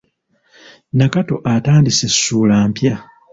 Nakato atandise ssuula mpya.